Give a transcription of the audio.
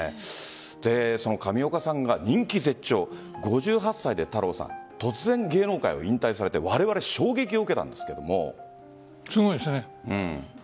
上岡さんが人気絶頂、５８歳で突然、芸能界を引退されてわれわれすごいですね。